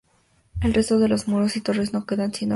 Del resto de los muros y torres no quedan sino ruinas.